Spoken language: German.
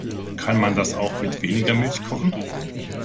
Kann man das auch mit weniger Milch kochen?